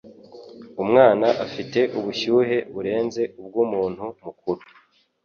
Umwana afite ubushyuhe burenze ubw'umuntu mukuru.